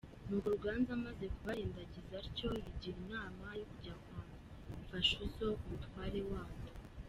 Nuko Ruganzu amaze kubarindagiza atyo, yigira inama ya kujya kwa Mfashuzo umutware wabo.